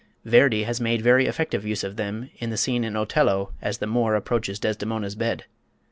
Verdi has made very effective use of them in the scene in "Otello" as the Moor approaches Desdemona's bed.